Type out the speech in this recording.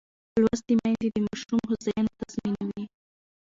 لوستې میندې د ماشوم هوساینه تضمینوي.